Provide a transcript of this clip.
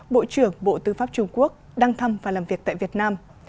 bộ trưởng bộ tư pháp trung quốc đăng thăm và làm việc tại việt nam